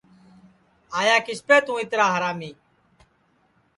آئیا کِسپ توں اِترا ہرامی